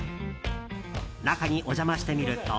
中にお邪魔してみると。